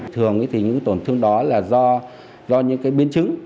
thường thì những tổn thương đó là do những biến chứng